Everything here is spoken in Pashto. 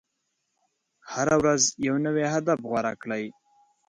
هره ورځ یو نوی هدف غوره کړئ.